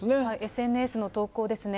ＳＮＳの投稿ですね。